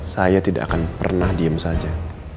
saya tidak akan pernah diem saja